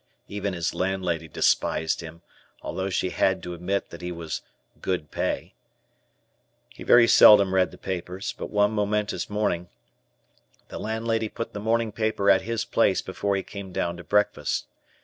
Even his landlady despised him, although she had to admit that he was "good pay." He very seldom read the papers, but one momentous morning, the landlady put the morning paper at his place before he came down to breakfast.